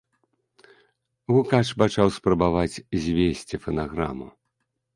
Гукач пачаў спрабаваць звесці фанаграму.